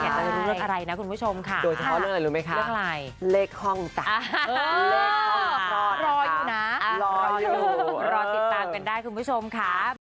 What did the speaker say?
อยากจะรู้เรื่องอะไรนะคุณผู้ชมค่ะ